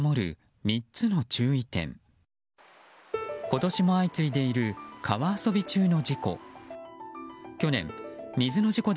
今年も相次いでいる川遊び中の事故。